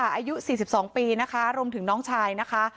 อายุสี่สิบสองปีนะคะรวมถึงน้องชายนะคะ